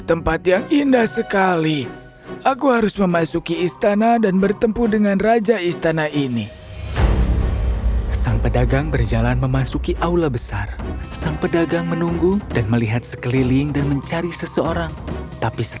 apa ada seseorang di istana ini